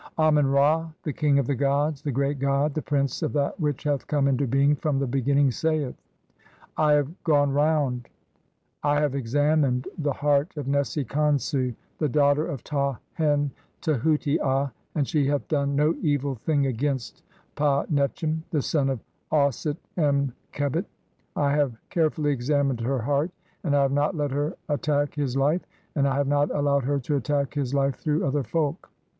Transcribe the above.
Amen Ra, the king of the gods, the great god, the prince of that which hath come into being from the beginning, saith :— "I have gone round (/. e., I have examined) the "heart of Nesi Khonsu, the daughter of Ta hen Te "huti a, and she hath done no evil thing against Pa "netchem, the son of Auset em khebit. I have care "fully examined her heart, and I have not let her at "tack his life, and I have not allowed her to attack "his life through other folk.